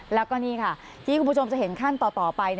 แล้วก็นี่ค่ะที่คุณผู้ชมจะเห็นขั้นต่อไป